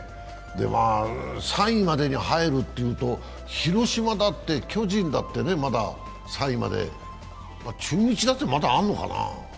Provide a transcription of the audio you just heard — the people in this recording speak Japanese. ３位までに入るというと、広島だって巨人だってまだ３位まで、中日だってまだあるのかな？